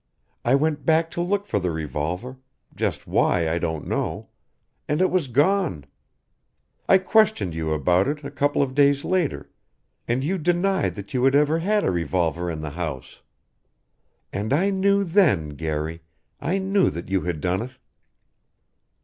I went back to look for the revolver just why, I don't know and it was gone. I questioned you about it a couple of days later, and you denied that you had ever had a revolver in the house. And I knew then, Garry I knew that you had done it."